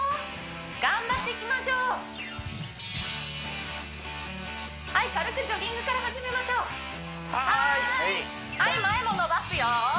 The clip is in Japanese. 頑張っていきましょうはい軽くジョギングから始めましょうはーいはい前も伸ばすよ